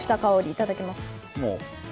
いただきます。